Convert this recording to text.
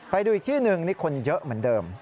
ไปดูอีกที่หนึ่งนี่คนเยอะเหมือนเดิม